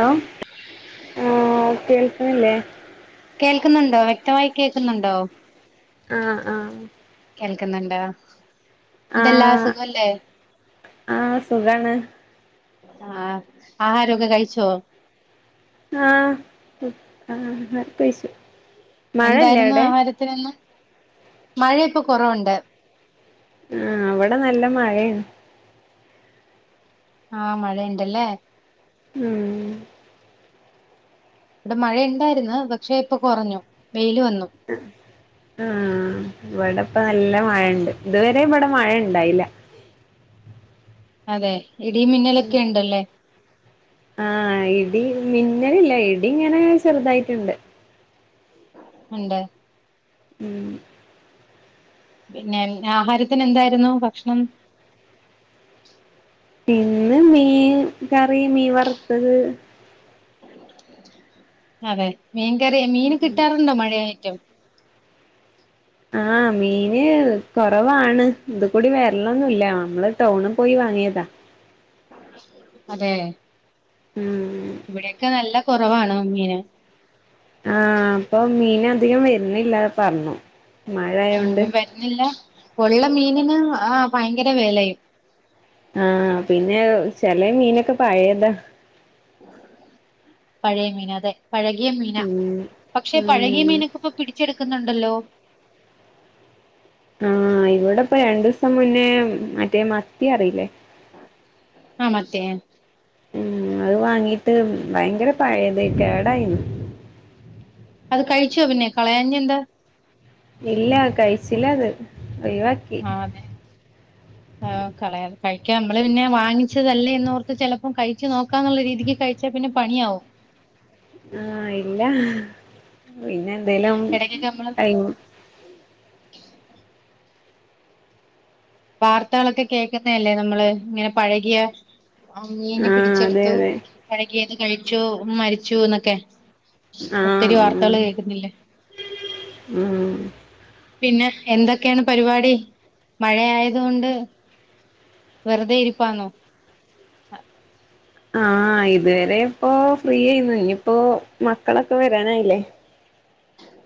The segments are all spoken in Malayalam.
ഹലോ ആഹ് കേൾക്ണില്ലേ? കേൾക്കുന്നുണ്ടോ? വ്യക്തമായി കേക്കുന്നുണ്ടോ? ആഹ് ആഹ്. കേൾക്കുന്നുണ്ട്. എന്തല്ലാ, ആഹ് സുഖവല്ലേ? ആഹ് സുഖാണ് ആഹ് ആഹാരൊക്കെ കഴിച്ചോ? ആഹ്. [unintelligible] ഹ കഴിച്ചു. മഴയില്ലേ എന്തായിരുന്നു അവിടെ ആഹാരത്തനിന്ന്? മഴ ഇപ്പൊ കൊറവുണ്ട്. ആഹ് ഇവടെ നല്ല മഴയാ. ആഹ് മഴയ്ണ്ടല്ലേ. ഉം. ഇവടെ മഴയുണ്ടായിര്ന്ന് പക്ഷേ ഇപ്പൊ കൊറഞ്ഞു വെയില് വന്നു. ആഹ്. ഇവടെ ഇപ്പ നല്ല മഴണ്ട് ഇതുവരെ ഇവടെ മഴണ്ടായില. അതെ ഇടിം മിന്നലൊക്കെ ഉണ്ടല്ലേ. ആഹ് ഇടി മിന്നല് ല്ല ഇടി ഇങ്ങനെ ചെറുതായിറ്റ്ണ്ട്. ഉണ്ട്. ഉം. പിന്നെ ആഹാരത്തിന് എന്തായിരുന്നു ഭക്ഷണം? ഇന്ന് മീൻ കറി മീൻ വറുത്തത്. അതെ മീൻകറിയാ. മീന് കിട്ടാറുണ്ടോ മഴയായിറ്റും? ആഹ് മീന് കൊറവാണ് ഇത് കൂടിം വരലൊന്നുല്ല. നമ്മള് ടൗണ് പോയി വാങ്ങിയതാ. അതെ. ഉം ഇവിടെയൊക്കെ നല്ല കൊറവാണ് മീന്. ആഹ് ഇപ്പം മീൻ അധികം വര്നില്ലാന്ന് പർഞ്ഞു. അഹ് വര്ന്നില്ല. ഉള്ള മീന് ന് ആഹ് ഭയങ്കര വെലയും. ആഹ് പിന്നെ ചെചേ മീനൊക്കെ പഴേതാ. പഴയ മീന അതെ പഴകിയ മീനാ. ഉം പക്ഷെ ഉം പഴകിയ മീനൊക്കെ ഇപ്പൊ പിടിച്ചെടുക്കുന്നുണ്ടല്ലോ? ആഹ് ഇവിടെ ഇപ്പം രണ്ടു ദിവസം മുന്നേ മറ്റേ മത്തി അറിയില്ലേ. ആഹ് മത്തിയെ ഉം അത് വാങ്ങീട്ട് ഭയങ്കര പഴയത് കേടായിരുന്നു. അത് കഴിച്ചോ പിന്നെ കളയാഞ്ഞ എന്താ. ഇല്ല കഴിച്ചില്ല അത് ഒഴിവാക്കി. ആഹ് അതെ. ആഹ് കളയാൻ കഴിക്കാൻ നമ്മള് പിന്നെ വാങ്ങിച്ചതല്ലേ എന്ന് ഓർത്ത് ചിലപ്പം കഴി കഴിച്ച് നോക്കാം എന്നുള്ള രീതിക്ക് കഴിച്ചാൽ പിന്നെ പണിയാവും. ആഹ് ഇല്ല പിന്നെ എന്തേലും ഇടക്കൊക്കെ നമ്മള് [unintelligible] വാർത്തകളൊക്കെ കേൾക്കുന്നല്ലേ നമ്മള് ഇങ്ങനെ പഴകിയ. മീൻ ആഹ് അതെ പിടിച്ചെടുത്തു അതെ പഴകിയത് കഴിച്ചു മരിച്ചു എന്നൊക്കെ. ഒത്തിരി ആഹ് വാർത്തകൾ കേൾക്കുന്നില്ലേ? ഉം. ഉം പിന്നെ എന്തൊക്കെയാണ് പരിപാടി മഴ ആയത്കൊണ്ട് വെറുതെ ഇരിപ്പാന്നോ ആഹ് ഇത് വരെ ഇപ്പോ ഫ്രീ ആയിര്ന്ന് ഇനിപ്പോ മക്കളൊക്കെ വരാനായ്ല്ലേ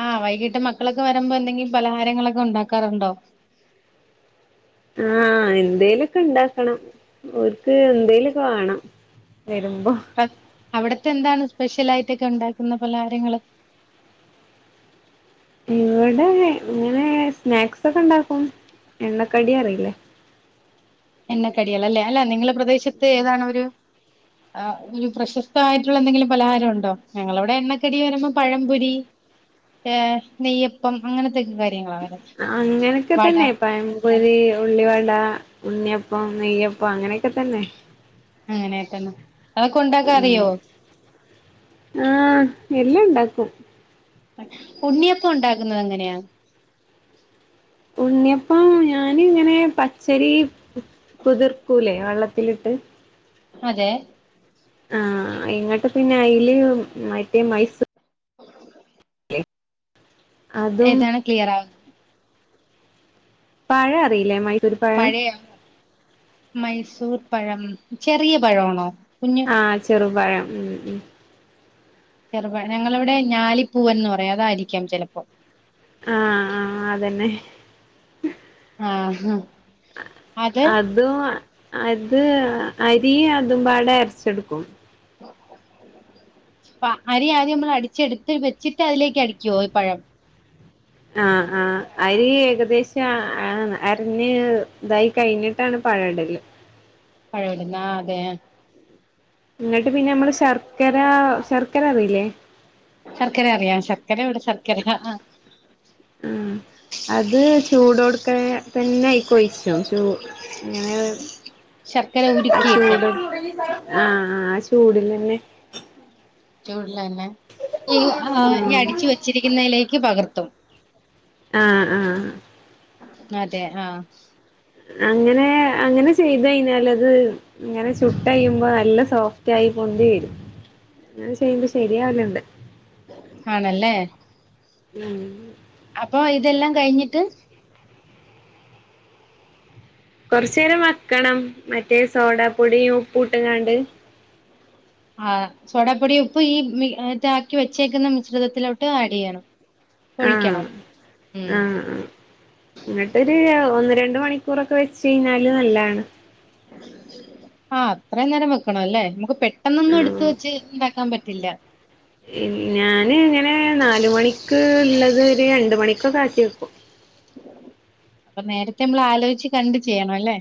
ആഹ് വൈകിട്ട് മക്കളെക്കെ വരുമ്പോ എന്തെങ്കിൽ പലഹാരങ്ങളെക്കെ ഉണ്ടാക്കാറ്ണ്ടോ ആഹ് എന്തേല്ക്കെ ഉണ്ടാക്കണം [unintelligible] എന്തേല്ക്കെ വേണം വെരുമ്പോ [unintelligible] അവ്ടത്തെ എന്താണ് സ്പെഷ്യലായ്ട്ടെക്കെ ഉണ്ടാക്കുന്ന പലഹാരങ്ങള് ഇവിടെ ഇങ്ങനെ സ്നാക്സൊക്കെ ഉണ്ടാക്കും എണ്ണക്കടി അറിയില്ലെ എണ്ണക്കടികള് അല്ലേ അല്ല നിങ്ങള പ്രദേശത്തെ ഏതാണൊര് ആഹ് ഒരു പ്രശസ്തമായ്ട്ടുള്ള എന്തെങ്കിലും പലഹാരം ഉണ്ടോ ഞങ്ങളവിടെ എണ്ണക്കടി വരുമ്പോ പഴംപൊരി ഏഹ് നെയ്യപ്പം അങ്ങനെ ത്തെക്ക്‌ കാര്യങ്ങളാ വരുന്നെ അങ്ങനക്കെ വട തന്നെ പഴം പൊരി ഉള്ളിവട ഉണ്ണിയപ്പം നെയ്യപ്പം അങ്ങനക്കെ തന്നെ അങ്ങനക്കെയാണ് അതൊക്കെ ഉണ്ടാക്കാൻ ഉം അറിയോ ആഹ് എല്ലാം ഉണ്ടാക്കും ഉണ്ണിയപ്പം ഉണ്ടാക്കു‌ന്നത് എങ്ങനെയാ ഉണ്ണിയപ്പം ഞാനിങ്ങനെ പച്ചരി കുതിർക്കൂലെ വെള്ളത്തിലിട്ട് അതെ ആഹ് എങ്ങട്ട് പിന്നെ അയ്ല് മറ്റേ മൈസൂ അതും ഏതാണ് ക്ലിയർ ആവ് പഴ അറീലെ മൈ മഴയൊ മൈസൂർ പഴം ചെറിയ പഴാണോ കുഞ്ഞ് ആഹ് ചെറുപഴം ഉം ഉം ചെറുപ്പഴം ഞങ്ങളിവ്ടെ ഞാലിപ്പൂവൻ എന്ന് പറയും അതാരിക്കാം ചിലപ്പോ ആഹ് ആഹ് അതന്നെ ആഹ് അത് അതും അത് അരി അതുംപാടെ അരച്ചെടുക്കും ഇപ്പം അരി ആദ്യം നമ്മള് അടിച്ചെടുത്ത് വെച്ചിട്ട് അതിലേക്ക് അടിക്കുവോ ഈ പഴം ആഹ് അഹ് അരി ഏകദേശ അ ആന്ന് അരഞ്ഞ് ഇതായി കഴിഞ്ഞിട്ടാണ് പഴ ഇടല് പഴ ഇട്ന്ന ആതെ എന്നിട്ട് പിന്നെ അമ്മള് ശർക്കര ശർക്കര അറീല്ലേ ശർക്കര അറിയാം ശക്കര ഇവ്ടെ ശർക്കര ആഹ് ആഹ് ഉം അത് ചൂടോട്ക്കാ തന്നെ അയ്ക്കോയ്ച്ചോ ചു അങ്ങനെ ഒരു ശർക്കര ആഹ് ഉരുക്കിയിട്ട് ചൂടോട് ആഹ് ആഹ് ചൂട്ലന്നെ ചൂട്ലന്നെ ഈ ആഹ് ഇനി അടിച്ച് വെച്ചിരിക്കുന്നെലേക്ക് പകർത്തും അഹ് ആഹ് അതെ ആഹ് അങ്ങനെ അങ്ങന ചെയ്ത് കയ്ഞ്ഞാലത് ഇങ്ങന ചുട്ടയ്യുമ്പോ നല്ല സോഫ്‌ റ്റായി പൊന്തി വെരും അങ്ങന ചെയ്യ്മ്പോ ശരിയാവല്ണ്ട് ആണല്ലേ ഉം ഉം അപ്പൊ ഇതെല്ലാം കയ്ഞ്ഞിട്ട് കൊറച്ചെരം വെക്കണം മറ്റേ സോഡാപ്പൊടിയും ഉപ്പൂട്ട്ങ്ങാണ്ട് ആഹ് സോഡാപ്പൊടി ഉപ്പ് ഈ മി ഏഹ് റ്റാക്കി വെച്ചേക്ക്‌ന്ന മിശ്രിതത്തിലോട്ട് ആഡ്യ്യണം ആഹ് ഉം ആഹ് എന്നിട്ടൊരു ഒന്ന് രണ്ട് മണിക്കൂറൊക്കെ വെച്ച് കഴിഞ്ഞാല് നല്ലണ് ആഹ് അത്രേം നേരം വെക്കണം അല്ലേ നമുക്ക് പെട്ടെന്നൊന്നും ആ എടുത്ത് വെച്ച് ഇണ്ടാക്കാൻ പറ്റില്ല ഞാൻ ഇങ്ങനെ നാല് മണിക്ക് ഇള്ളത് ഒരു രണ്ട് മണിക്കൊക്കെ ആക്കി വെക്കും അപ്പൊ നേരത്തെ നമ്മൾ ആലോചിച്ച് കണ്ട് ചെയ്യണം അല്ലേ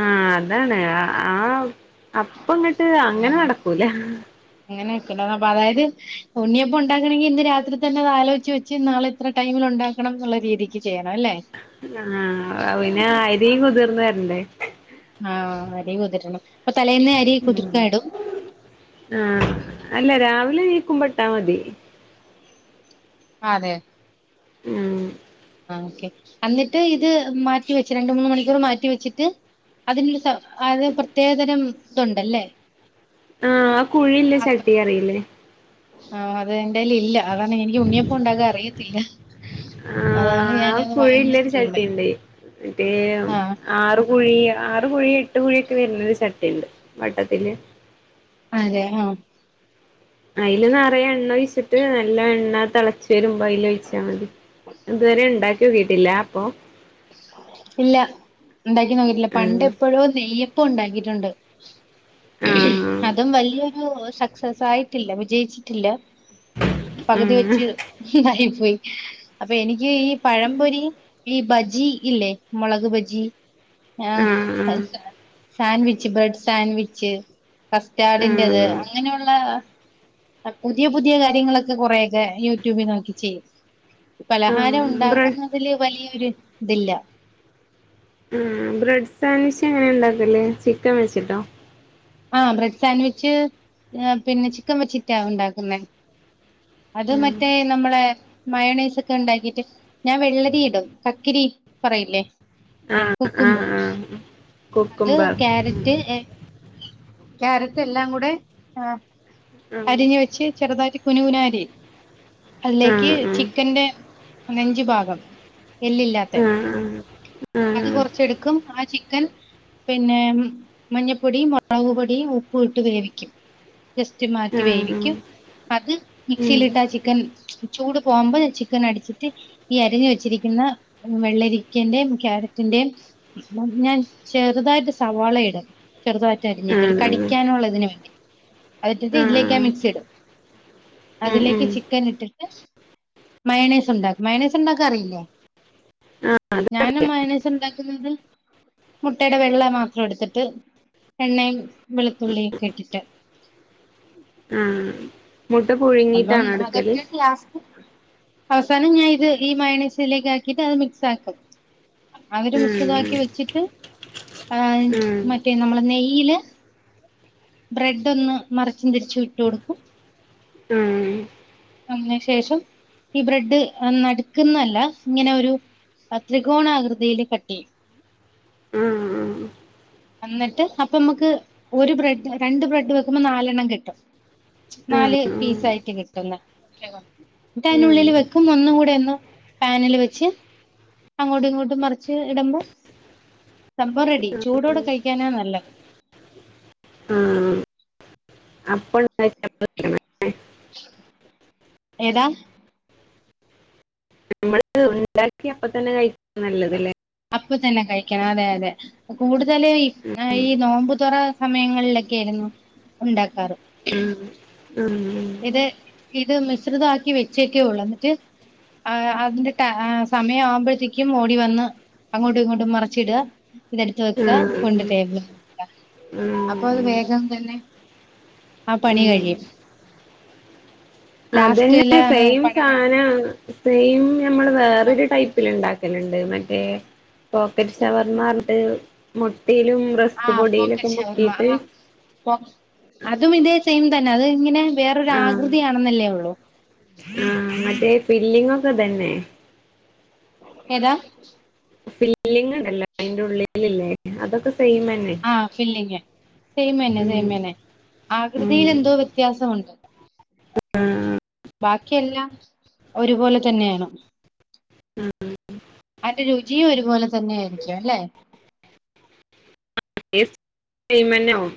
ആഹ് അതാണ് ആഹ് അപ്പ അങ്ങട്ട് അങ്ങനെ ആഹ് നടക്കൂല അങ്ങനെ നടക്കൂല അതപൊ അതായത് ഉണ്ണിയപ്പം ഉണ്ടാക്കണെങ്കി ഇന്ന് രാത്രി തന്നെ അത് ആലോചിച്ച് വെച്ച് നാളെ ഇത്ര ടൈമിൽ ഒണ്ടാക്കണം എന്നുള്ള രീതിക്ക് ചെയ്യണം അല്ലേ ആഹ് പിന്നെ അരിം കുതിർന്ന് വരണ്ടേ ആഹ് അരി കുതിരണം അപ്പൊ തലേന്നെ അരി കുതിർക്കാൻ ഇടും ആഹ് അല്ല രാവിലെ എണീക്കുമ്പോ ഇട്ടാ മതി അതെ ഉം ആഹ് ഓക്കെ അന്നിട്ട് ഇത് മാറ്റി വെച്ച് രണ്ട് മൂന്ന് മണിക്കൂർ മാറ്റി വെച്ചിട്ട് അതിനൊരു സ അത് പ്രത്യേകതരം ഇതുണ്ടല്ലേ ആഹ് ആ കുഴില്ലേ പാത്രം ചട്ടി അറിയില്ലേ ആഹ് അത് എന്റെൽ ഇല്ല അതാണ് എനിക്ക് ഉണ്ണിയപ്പം ഉണ്ടാകാൻ അറിയത്തില്ല ആഹ് അതാണ് ആ ഞാന് അത്‌ കുഴില്ലൊരു വാങ്ങിച്ചിട്ടിള്ളെ ചട്ടിണ്ട് [unintelligible] കുഴി ആറ് കുഴി എട്ട് കുഴി ഒക്കെ വരുന്ന ഒരു ചട്ടിയുണ്ട് വട്ടത്തില് അതെ ആഹ് അയിൽ നിറെ എണ്ണ ഒഴിച്ചിട്ട് നല്ല എണ്ണ തിളച്ച് വരും മ്പോ അയ്ൽ ഒഴിച്ചാ മതി ഇതുവരെ ഉണ്ടാക്കി നോക്കിട്ടില്ല അപ്പൊ ഇല്ല ഉണ്ടാക്കി നോക്കിട്ടില്ല പണ്ട് ആഹ് എപ്പോഴോ നെയ്യ പ്പം ഉണ്ടാക്കിട്ടുണ്ട് ബ്ര അതും വല്യ ഒരു ശാ സക്സസ് ആയിട്ടില്ല, വിജയിച്ചിട്ടില്ല. പകുതി വെച്ച്. ആയിപ്പോയി. അപ്പൊ, എനിക്ക് ഈ പഴം പൊരി ഈ ബജി ഈ, ഇല്ലേ? മുളക് ബജി. ആഹ് സാൻവിച്ച്, ബ്രെഡ് സാൻവിച്ച്, കസ്റ്റാർഡിന്റെത്, അങ്ങനെയുള്ള പുതിയ, പുതിയ കാര്യങ്ങളൊക്കെ കുറെ യൊക്കെ യൂട്യൂബിൽ നോക്കി ചെയ്യും. പലഹാരം ഉണ്ടാക്കുന്നതില് വലിയൊരു ഇതില്ല. ഉം, ബ്രെഡ് സാൻവിച്ച് എങ്ങനെ ഉണ്ടാക്കല് ചിക്കൻ വെച്ചിട്ടോ? ആഹ്, ബ്രെഡ് സാൻവിച്ച് പിന്നെ, ചിക്കൻ വച്ചിട്ടാ ഉണ്ടാക്കുന്നെ. അത്, ആഹ് മറ്റേ നമ്മളെ മയൊണൈസൊക്കെ ഉണ്ടാക്കിട്ട്. ഞാൻ വെള്ളരി ഇടും. കക്കിരി പറയില്ലേ? ആഹ്, ആഹ്, കുക്കുമ്പർ ആഹ് അത് കുക്കുംബർ ക്യാരറ്റ്, എ ക്യാരറ്റ്, എല്ലാം കൂടെ ആഹ്. ആഹ് അരിഞ്ഞ് വെച്ച്, ചെറുതായിട്ട് കുനു കുനാ അരിയും. അതിലേക്ക് ആഹ് ചിക്കന്റെ നെഞ്ച് ഭാഗം. എല്ലില്ലാത്തെ ആഹ് ആഹ് അത് ആഹ് കൊറച്ച് എടുക്കും, ആഹ്, ചിക്കൻ പിന്നെ, മഞ്ഞപ്പൊടിയും, മുളക് പൊടിയും, ഉപ്പും, ഇട്ട് വേവിക്കും. ജസ്റ്റ് മാറ്റി ആഹ് വേവിക്കും. അത് ഉം മിക്സിയിലിട്ട ആഹ്, ചിക്കൻ ചൂട് പോകുമ്പോ, ചിക്കൻ അടിച്ചിട്ട് ഈ, അരിഞ്ഞു വെച്ചിരിക്കുന്ന വെള്ളരിക്കന്റെയും, ക്യാരറ്റിന്റെയും [unintelligible] ചെറുതായിട്ട് സവാള ഇടും. ചെറുതായിട്ട് അരിഞ്ഞിട്ട് ഒരു ആഹ് ആഹ് കടി ക്കാനുള്ളതിന് വേണ്ടി. അത് ഇട്ടിട്ട് ഇതിലേക് ആഹ് മിക്സ് ഇടും. ഉം അതിലേക്ക് ഉം ചിക്കൻ ഇട്ടിട്ട് മയൊണൈസ് ഉണ്ടാക്കും. മയൊണൈസ് ഉണ്ടാക്കാൻ അറിയില്ലേ? ആഹ് ഞാനും മയൊണൈസ് ഉണ്ടാക്കുന്നത്. മുട്ടയുടെ വെള്ള മാത്രം എടുത്തിട്ട്, എണ്ണയും, വെളുത്തുള്ളിയും ഒക്കെ ഇട്ടിട്ട് ഉം മുട്ട പുഴി അപ്പം, അതൊറ്റക് ഗ്യാസ് അവസാനം, ഞാൻ ഇത് ഈ മയോനസ് ഇതിലേക്ക് ആക്കിയിട്ട്, അത് മിക്സ് ആക്കും. അവര് മിശ്രിത ഉം ക്കി വെച്ചിട്ട്, ആഹ് ഉം മറ്റേ പി, നമ്മള് നെയ്യിൽ ബ്രെഡ് ഒന്ന് മറച്ച് തിരിച്ച് ഇട്ട് കൊടുക്കും. ഉം ആഹ് അതിനു ശേഷം ഈ ബ്രെഡ് നടുക്കുന്നല്ല, ഇങ്ങനെ ഒരു ആഹ്, ത്രികോണാ കൃതിയിൽ കട്ട് ചെ യ്യും. ആഹ് വന്നിട്ട്, അപ്പ നമ്മക്ക് ഒരു ബ്രെഡ് രണ്ട് ബ്രെഡ് വെക്കുമ്പോ, നാലെണ്ണം കിട്ടും. ആഹ് നാല് ആഹ് പീസ് ആയിട്ട് കിട്ടുന്ന ട്ട അതിനുള്ളിൽ ഉം. വെക്കും. ഒന്നു കൂടെ ഒന്ന് പാനില് വെച്ച്. അങ്ങോട്ടും, ഇങ്ങോട്ടും മറിച്ച് ഇടുമ്പോ സംഭവം റെഡി. ചൂടോടെ കഴിക്കാനാ നല്ലത്. ആഹ് അപ്പൾ [unintelligible] ഏതാ നമ്മള് ഉണ്ടാക്കി അപ്പ തന്നെ കഴിക്ക നല്ലത് ലെ. അപ്പൊ തന്നെ കഴിക്കണം. അതെ, അതെ കൂടുതല് ഈ, ഈ നോമ്പുതുറ സമയ ങ്ങളിലൊക്കെ ആയിരുന്നു. ഉണ്ടാക്കാറ് ആഹ്, ആഹ് ഇത് ഇത് മിശ്രിതമാക്കി വെച്ചേക്കേ ഒള്ളൂ എന്നിട്ട് ആ അതിന്റെ ടൈ സമയം ആവുമ്പോഴത്തേക്കും ഓടി വന്ന് അങ്ങോട്ടും ഇങ്ങോട്ടും മറിച്ചിട ഇതെടുത്ത് വെക്കാ കൊണ്ട് ഉം. ടേബിളിൽ വെക്ക അപ്പൊ അത് ഉം. വേഗം തന്നെ ആ പണി ഉം. കഴിയും അതന്നെ ലാസ്റ്റിലാണ് സെയിം പഴങ്ങൾ സാനാണ് സെയിം ഞമ്മള് ആ വേറൊരു ടൈപ്പിൽ ഇണ്ടാക്കലണ്ട് മറ്റേ പോക്കറ്റ് ഷവർമാറിഞ്ഞിട്ട് മുട്ടീലും ആ റെസ്ക് പൊടിയിലൊക്കെ പോക്കറ്റ് ഷവർമ്മ മുക്കീട്ട് ആ പോ അതും ഇതേ സെയിം തന്നെ അത് ഇങ്ങനെ വേറൊരു ആകൃതിയാണെന്നല്ലേ ഒള്ളൂ ആഹ് മറ്റേ ഫില്ലിങ് ഒക്കെ ഇതന്നെ ഏതാ ഫില്ലിങ് ഇണ്ടല്ലോ അതിന്റെ ഉള്ളിലില്ലേ അതൊക്കെ സെയിമ് എ ആഹ് ഫില്ലിങ് സെയിമെന്നെ ഉം സെയിമെന്നെ ആകൃതീൽ ഉം. എന്തോ വെത്യാസമുണ്ട് ആഹ് ബാക്കിയെല്ലാം ഒരുപോലെ തന്നെയാണോ ഉം അയിന്റെ രുചിയും ഒരുപോലെ തന്നെ ആയിരിക്കും അല്ലെ എസ് സെയിമെന്നാവും